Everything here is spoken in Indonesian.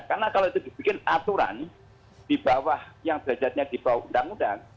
karena kalau itu dibuat aturan di bawah yang derajatnya di bawah undang undang